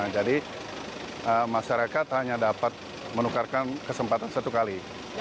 jadi masyarakat hanya dapat menukarkan kesempatan satu kali